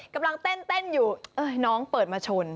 กำลังเต้นอยู่น้องเปิดมาชน